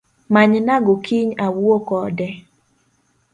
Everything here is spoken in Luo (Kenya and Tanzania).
Manyna go kiny awuo kode